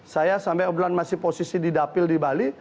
saya sampai obrolan masih posisi di dapil di bali